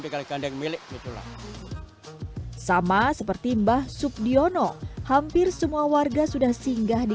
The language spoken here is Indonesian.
gale gandeng milik itulah sama seperti mbah subdiono hampir semua warga sudah singgah di